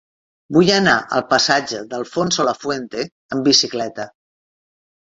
Vull anar al passatge d'Alfonso Lafuente amb bicicleta.